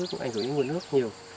cũng ảnh hưởng đến nguồn nước nhiều